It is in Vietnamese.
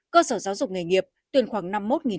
cơ sở giáo dục nghề nghiệp tuyển khoảng năm mươi một học sinh